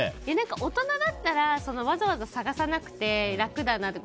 大人だったらわざわざ探さなくて楽だなって。